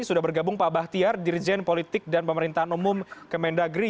sudah bergabung pak bahtiar dirjen politik dan pemerintahan umum kemendagri